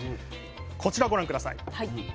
こちらご覧下さい。